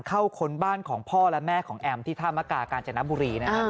เข้าคนบ้านของพ่อและแม่ของแอมที่ธาบักากาการจันทร์นับบุรีนะฮะ